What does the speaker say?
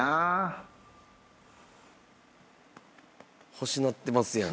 欲しなってますやん。